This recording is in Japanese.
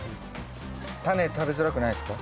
タネ食べづらくないですか？